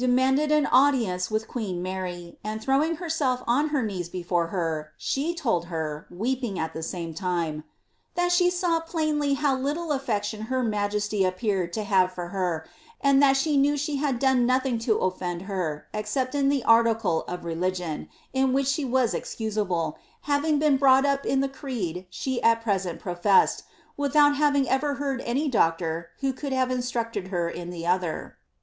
manded an audienee with qoeea Mary, and throwing heraelf on har knees before her, she told her, weeping at the aame time, ^ that she taw plainly how little afiection her majeatj appeared to have for her, and that she knew she had done nothing to oflend her, except in the article of religion, in which she was excusable, having been broaght up in the creed she at present professed, without having ever heard any doctor^ who could have instructed her in the other."